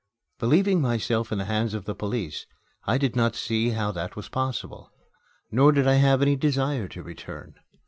Believing myself in the hands of the police, I did not see how that was possible. Nor did I have any desire to return.